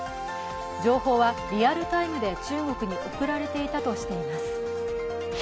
情報はリアルタイムで中国に送られていたとしています。